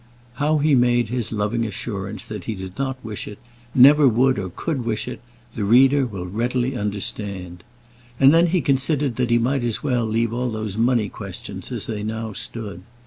How he made his loving assurance that he did not wish it, never would or could wish it, the reader will readily understand. And then he considered that he might as well leave all those money questions as they now stood.